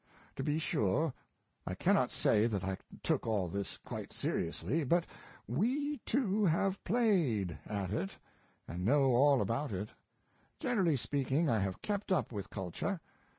To be sure, I cannot say that I took all this quite seriously, but "we, too, have played" at it, and know all about it. Generally speaking, I have kept up with culture.